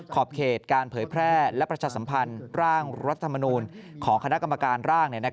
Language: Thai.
ขอบเขตการเผยแพร่และประชาสัมพันธ์ร่างรัฐมนูลของคณะกรรมการร่าง